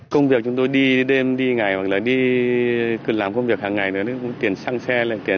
công việc chúng tôi đi đêm đi ngày hoặc là đi làm công việc hàng ngày tiền xăng xe